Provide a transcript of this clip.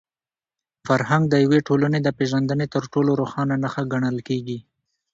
فرهنګ د یوې ټولني د پېژندني تر ټولو روښانه نښه ګڼل کېږي.